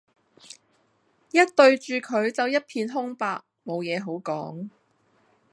一對住佢就一片空白無嘢好講